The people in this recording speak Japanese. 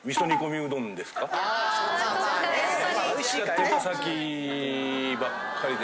手羽先ばっかりで。